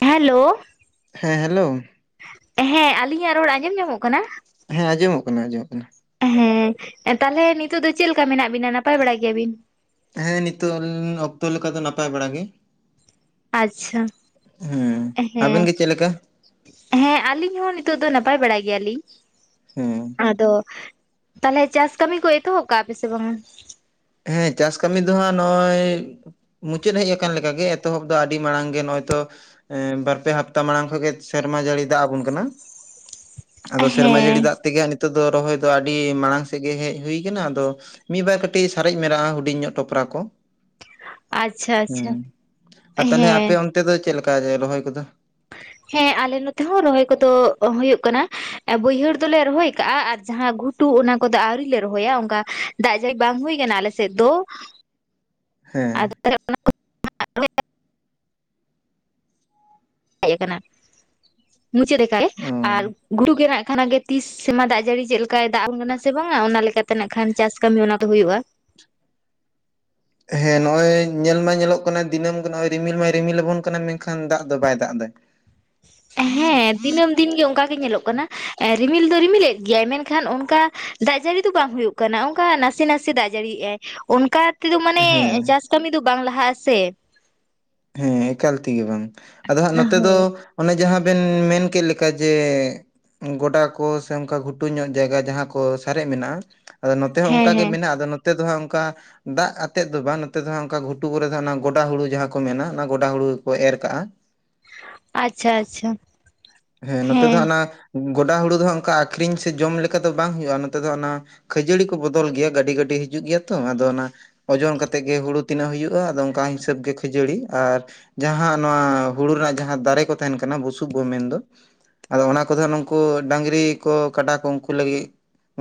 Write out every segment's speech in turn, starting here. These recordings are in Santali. ᱦᱮᱞᱳ᱾ ᱦᱮᱸ ᱦᱮᱞᱳ᱾ ᱦᱮᱸ ᱟᱹᱞᱤᱧᱟᱜ ᱨᱚᱲ ᱟᱸᱡᱚᱢ ᱧᱟᱢᱚᱜ ᱠᱟᱱᱟ? ᱦᱮᱸ ᱟᱸᱡᱚᱢᱚᱜ ᱠᱟᱱᱟ᱾ ᱦᱮᱸ ᱛᱟᱦᱚᱞᱮ ᱱᱤᱛᱚᱜ ᱫᱚ ᱪᱮᱫ ᱢᱮᱱᱟᱜ ᱵᱤᱱᱟ ᱱᱟᱯᱟᱭ ᱜᱮᱭᱟᱵᱤᱱ᱾ ᱦᱮᱸ ᱱᱤᱛᱚᱜ ᱚᱠᱛᱚ ᱞᱮᱠᱟ ᱫᱚ ᱱᱟᱯᱟᱭ ᱵᱟᱲᱟ ᱜᱮ᱾ ᱟᱪᱪᱷᱟ ᱦᱮᱸ ᱟᱵᱮᱱ ᱦᱮᱸ, ᱜᱮ ᱪᱮᱫ ᱞᱮᱠᱟ ᱦᱮᱸ ᱟᱹᱞᱤᱧ ᱦᱚᱸ ᱱᱤᱛᱚᱜ ᱫᱚ ᱱᱟᱯᱟᱭ ᱵᱟᱲᱟ ᱜᱮᱭᱟᱞᱤᱧ ᱦᱮᱸ ᱟᱫᱚ -ᱼ ᱛᱟᱦᱚᱞᱮ ᱪᱟᱥ ᱠᱟᱹᱢᱤ ᱠᱚ ᱮᱛᱚᱦᱚᱵ ᱠᱟᱜᱼᱟ ᱯᱮ ᱥᱮ ᱵᱟᱝᱟ? ᱦᱮᱸ ᱪᱟᱥ ᱠᱟᱹᱢᱤ ᱫᱚᱦᱟᱸᱜ ᱱᱚᱜᱼᱚᱭ ᱢᱩᱪᱟᱹᱫ ᱦᱮᱡ ᱟᱠᱟᱱ ᱞᱮᱠᱟᱜᱮ ᱮᱛᱚᱦᱚᱵ ᱫᱚ ᱟᱹᱰᱤ ᱢᱟᱲᱟᱝ ᱜᱮ ᱱᱚᱜᱼᱚᱭ ᱛᱚ ᱵᱟᱨ ᱯᱮ ᱦᱟᱯᱛᱟ ᱢᱟᱲᱟᱝ ᱠᱷᱚᱱ ᱜᱮ ᱥᱮᱨᱢᱟ ᱡᱟᱹᱲᱤ ᱫᱟᱜ ᱟᱵᱚᱱ ᱠᱟᱱᱟ, [unintelligible] ᱟᱫᱚ ᱥᱮᱨᱢᱟ ᱡᱟᱹᱲᱤ ᱦᱮᱸ ᱫᱟᱜ ᱛᱮ ᱜᱮ ᱱᱤᱛ ᱱᱤᱛᱚᱜ ᱫᱚ ᱨᱚᱦᱚᱭ ᱫᱚ ᱟᱹᱰᱤ ᱢᱟᱲᱟᱝ ᱥᱮᱫ ᱜᱮ ᱦᱮᱡ ᱦᱩᱭ ᱠᱟᱱᱟ ᱟᱫᱚ ᱢᱤᱜ ᱵᱟᱨ ᱠᱟᱹᱴᱤᱡ ᱥᱟᱨᱮᱡ ᱢᱮᱱᱟᱜᱼᱟ ᱦᱩᱰᱤᱧ ᱧᱚᱜ ᱴᱚᱯᱨᱟ ᱠᱚ ᱟᱪᱪᱷᱟ ᱟᱪᱪᱷᱟ ᱦᱩᱸ ᱛᱟᱦᱚᱞᱮ ᱟᱯᱮ ᱦᱮᱸ ᱚᱱ ᱛᱮ ᱫᱚ ᱪᱮᱫ ᱞᱮᱠᱟᱮ ᱨᱚᱦᱚᱭ ᱠᱚᱫᱚ? ᱦᱮᱸ ᱟᱞᱮ ᱱᱚᱛᱮ ᱦᱚᱸ ᱨᱚᱦᱚᱭ ᱠᱚ ᱫᱚ ᱦᱩᱭᱳᱜ ᱠᱟᱱᱟ ᱵᱟᱹᱭᱦᱟᱹᱲ ᱫᱚᱞᱮ ᱨᱚᱦᱚᱭ ᱠᱟᱜᱼᱟ ᱟᱨ ᱡᱟᱦᱟᱸ ᱜᱷᱩᱴᱩ ᱴᱩ ᱚᱱᱟ ᱠᱚᱫᱚ ᱟᱹᱣᱨᱤ ᱞᱮ ᱨᱚᱦᱚᱭᱟ ᱚᱝᱠᱟ ᱫᱟᱜ ᱡᱟᱹᱲ ᱵᱟᱝ ᱦᱩᱭ ᱟᱠᱟᱱᱟ ᱟᱞᱮ ᱥᱮᱫ ᱫᱚ, ᱦᱮᱸ, ᱟᱫᱚ ᱦᱮᱡ ᱟᱠᱟᱱᱟ ᱢᱩᱪᱟᱹᱫ ᱞᱮᱠᱟ ᱜᱮ ᱚ ᱟᱨ ᱜᱷᱩᱴᱩ ᱜᱮᱱᱟᱜ ᱠᱷᱟᱱ ᱜᱮ ᱛᱤᱥ ᱥᱮᱢᱟ ᱫᱟᱜ ᱡᱟᱹᱲᱤ ᱪᱮᱫ ᱞᱮᱠᱟᱭ ᱫᱟᱜ ᱟᱵᱚᱱ ᱠᱟᱱᱟ ᱥᱮ ᱵᱟᱝᱟ ᱚᱱᱟ ᱞᱮᱠᱟ ᱛᱮᱱᱟᱜ ᱠᱷᱟᱱ ᱪᱟᱥ ᱠᱟᱹᱢᱤ ᱚᱱᱟ ᱫᱚ ᱦᱩᱭᱩᱜᱼᱟ᱾ ᱦᱮᱸ ᱱᱚᱜ ᱚᱭ ᱧᱮᱞ ᱢᱟ ᱧᱮᱞᱚᱜ ᱠᱟᱱᱟ ᱫᱤᱱᱟᱹᱢ ᱜᱮ ᱱᱚᱜ ᱚᱭ ᱨᱤᱢᱤᱞ ᱢᱟᱭ ᱨᱤᱢᱤᱞ ᱟᱵᱚᱱ ᱠᱟᱱᱟ ᱢᱮᱱᱠᱷᱟᱱ ᱫᱟᱜ ᱫᱚ ᱵᱟᱭ ᱫᱟᱜ ᱮᱫᱟᱭ, ᱦᱮᱸ ᱫᱤᱱᱟᱹᱢ ᱫᱤᱱ ᱜᱮ ᱚᱱᱠᱟ ᱜᱮ ᱧᱮᱞᱚᱜ ᱠᱟᱱᱟ ᱨᱤᱢᱤᱞ ᱫᱚᱭ ᱨᱤᱢᱤᱞᱮᱫ ᱜᱮᱭᱟᱭ ᱢᱮᱱᱠᱷᱟᱱ ᱚᱱᱠᱟ ᱫᱟᱜ ᱡᱟᱹᱲᱤ ᱫᱚ ᱵᱟᱝ ᱦᱩᱭᱩᱜ ᱠᱟᱱᱟ ᱚᱱᱠᱟ ᱱᱟᱥᱮ ᱱᱟᱥᱮ ᱫᱟᱜ ᱡᱟᱹᱲᱤᱭᱮᱟᱭ ᱚᱱᱠᱟ ᱛᱮᱫᱚ ᱢᱟᱱᱮ ᱦᱮᱸ ᱪᱟᱥ ᱠᱟᱹᱢᱤ ᱫᱚ ᱵᱟᱝ ᱞᱟᱦᱟᱜ ᱟᱥᱮ, ᱦᱮᱸ ᱮᱠᱟᱞ ᱛᱮᱜᱮ ᱵᱟᱝ ᱟᱫᱚ ᱦᱟᱸᱜ ᱱᱚᱛᱮ ᱫᱚ ᱦᱳᱭ ᱚᱱᱮ ᱡᱟᱦᱟᱸ ᱵᱮᱱ ᱢᱮᱱ ᱠᱮᱫ ᱞᱮᱠᱟ ᱡᱮ ᱜᱚᱰᱟ ᱠᱚ ᱥᱮ ᱚᱱᱠᱟ ᱜᱷᱩᱴᱩ ᱧᱚᱜ ᱡᱟᱭᱜᱟ ᱡᱟᱦᱟᱸ ᱠᱚ ᱥᱟᱨᱮᱡ ᱢᱮᱱᱟᱜᱼᱟ, ᱟᱫᱚ ᱱᱚᱛᱮ ᱦᱚ ᱦᱮᱸ ᱚᱱᱠᱟ ᱜᱮ ᱦᱮᱸ ᱢᱮᱱᱟᱜᱼᱟ ᱟᱫᱚ ᱱᱚᱛ ᱛᱮ ᱫᱚ ᱦᱟᱸᱜ ᱚᱱᱠᱟ ᱫᱟᱜ ᱟᱛᱮᱫ ᱫᱚ ᱵᱟᱝ ᱱᱚᱛᱮ ᱫᱚ ᱦᱟᱜ ᱚᱱᱠᱟ ᱜᱷᱩᱴᱩ ᱠᱚᱨᱮ ᱛᱟᱦᱮᱱᱟ ᱜᱚᱰᱟ ᱦᱩᱲᱩ ᱡᱟᱦᱟᱸ ᱠᱚ ᱢᱮᱱᱟ ᱚᱱᱟ ᱜᱚᱰᱟ ᱦᱩᱲᱩ ᱜᱮᱠᱚ ᱮᱨ ᱠᱟᱜᱼᱟ᱾ ᱟᱪᱪᱷᱟ ᱟᱪᱪᱷᱟ᱾ ᱦᱮᱸ ᱱᱚᱛᱮ ᱫᱚᱦᱟ ᱚᱱᱟ ᱜᱚᱰᱟ ᱦᱩᱲᱩ ᱫᱚ ᱦᱟᱜ ᱚᱱᱠᱟ ᱟᱠᱷᱨᱤᱧ ᱥᱮ ᱡᱚᱢ ᱞᱮᱠᱟ ᱫᱚ ᱵᱟᱝ ᱦᱩᱭᱩᱜᱼᱟ ᱱᱚᱛᱮ ᱫᱚ ᱚᱱᱟ ᱠᱷᱟᱹᱡᱟᱹᱲᱤ ᱠᱚ ᱵᱚᱫᱚᱞ ᱜᱮᱭᱟ ᱜᱟᱹᱰᱤ ᱜᱟᱹᱰᱤ ᱦᱤᱡᱩᱜ ᱜᱮᱭᱟ ᱛᱚ ᱟᱫᱚ ᱚᱱᱟ ᱚᱡᱚᱱ ᱠᱟᱛᱮᱫ ᱜᱮ ᱦᱩᱲᱩ ᱛᱤᱱᱟᱹᱜ ᱦᱩᱭᱩᱜᱼᱟ ᱟᱫᱚ ᱚᱱᱠᱟ ᱦᱤᱥᱟᱹᱵ ᱜᱮ ᱠᱷᱟᱹᱡᱟᱹᱲᱤ ᱟᱨ ᱡᱟᱦᱟᱸ ᱦᱟ ᱱᱚᱣᱟ ᱦᱩᱲᱩ ᱨᱮᱱᱟᱜ ᱡᱟᱦᱟᱸ ᱫᱟᱨᱮ ᱠᱚ ᱛᱟᱦᱮᱱ ᱠᱟᱱᱟ ᱵᱩᱥᱩᱵ ᱵᱚ ᱢᱮᱱᱫᱚ, ᱟᱫᱚ ᱚᱱᱟ ᱠᱚᱫᱚ ᱱᱩᱝᱠᱩ ᱰᱟᱝᱨᱤ ᱠᱚ ᱠᱟᱰᱟ ᱠᱚ ᱩᱱᱠᱩ ᱞᱟᱹᱜᱤᱫ